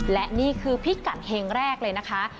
และนี่คือพิกัดเฮงแรกเลยนะคะ